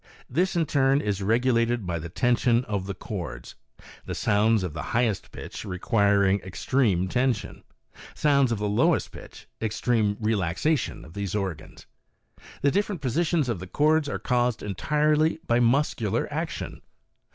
This, in turn, is regulated by the tension of the cords ; sounds of the highest pitch requiring ex AND VOCAL ILLUSIONS. 55 treme tension, sounds of the lowest pitch extreme relaxation of those organs. The different positions of the cords are caused entirely by muscular action.